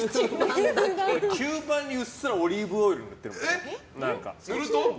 吸盤にうっすらオリーブオイルを塗っているんです。